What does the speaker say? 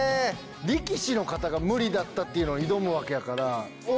力士の方が無理だったっていうの挑むわけやから。